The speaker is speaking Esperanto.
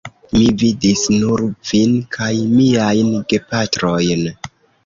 Mi vidis nur vin kaj miajn gepatrojn.